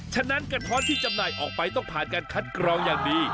ฉะนั้นกระท้อนที่จำหน่ายออกไปต้องผ่านการคัดกรองอย่างดี